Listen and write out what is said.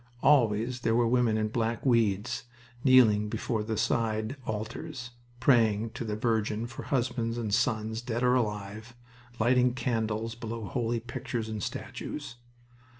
Always there were women in black weeds kneeling before the side altars, praying to the Virgin for husbands and sons, dead or alive, lighting candles below holy pictures and statues.